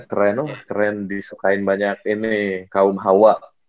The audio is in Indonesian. keren loh keren disukain banyak ini kaum hawa